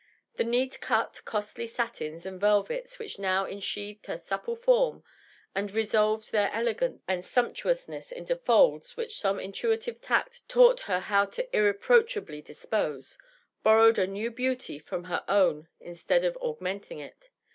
The neat cut, costly satins and velvets which now ensheathed her supple form and resolved their el^nce and sumptu ousness into folds which some intuitive tact taught her how to irreproach ably dispose, borrowed a new beauty from her own instead of aug menting it.